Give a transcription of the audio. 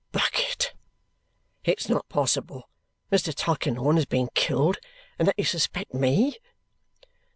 "Bucket! It's not possible that Mr. Tulkinghorn has been killed and that you suspect ME?"